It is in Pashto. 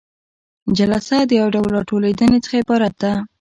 جلسه د یو ډول راټولیدنې څخه عبارت ده.